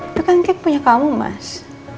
itu kan cake punya kamu mas